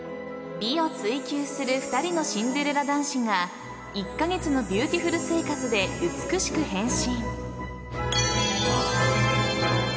［美を追求する２人のシンデレラ男子が１カ月のビューティフル生活で美しく変身］